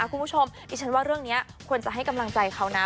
คุณผู้ชมดิฉันว่าเรื่องนี้ควรจะให้กำลังใจเขานะ